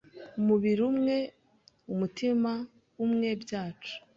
Umubiri umwe numutima umwe byacu